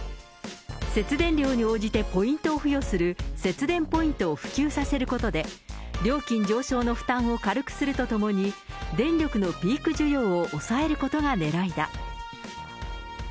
節電量に応じてポイントを付与する節電ポイントを普及させることで、料金上昇の負担を軽くするとともに、電力のピーク需要を抑えることがねらいだ。